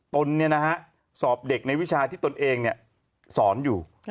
ตนเนี่ยนะฮะสอบเด็กในวิชาที่ตนเองเนี่ยสอนอยู่